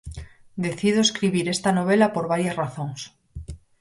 Decido escribir esta novela por varias razóns.